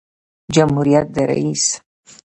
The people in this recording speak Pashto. جمهوریت د رئیس